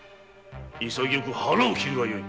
潔く腹を切るがよい。